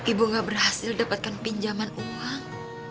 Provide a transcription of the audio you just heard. ibu gak berhasil dapatkan pinjaman uang